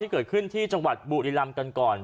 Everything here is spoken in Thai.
เกิดขึ้นที่จังหวัดบุรีรำกันก่อน